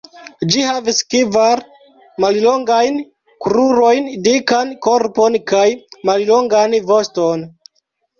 Ĝi havis kvar mallongajn krurojn, dikan korpon, kaj mallongan voston.